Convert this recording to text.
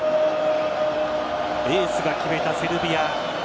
エースが決めたセルビア。